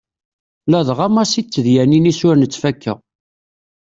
Ladɣa Massi d tedyanin-is ur nettfakka.